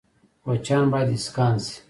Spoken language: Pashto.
کوچیان باید اسکان شي